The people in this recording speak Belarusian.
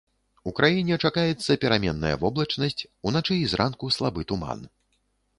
У краіне чакаецца пераменная воблачнасць, уначы і зранку слабы туман.